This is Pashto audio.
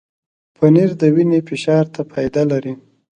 پنېر د وینې فشار ته فایده لري.